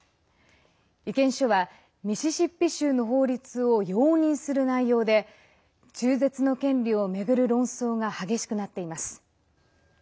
意見書は、ミシシッピ州の法律を容認する内容で中絶の権利を巡る論争が激しくなっています。